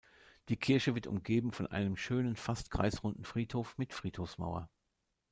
Die Kirche wird umgeben von einem schönen, fast kreisrunden Friedhof mit Friedhofsmauer.